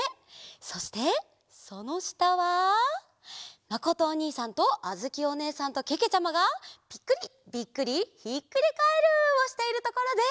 そしてそのしたはまことおにいさんとあづきおねえさんとけけちゃまが「ぴっくり！ビックリ！ひっくりカエル！」をしているところです。